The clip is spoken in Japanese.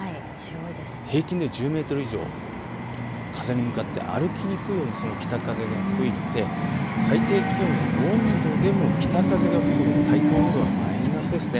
平均で１０メートル以上、風に向かって歩きにくいような北風が吹いて、最低気温４度でも北風が吹くので体感温度はマイナスですね。